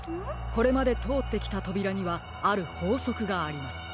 これまでとおってきたとびらにはあるほうそくがあります。